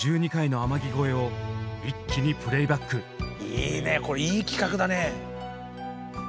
いいねこれいい企画だね！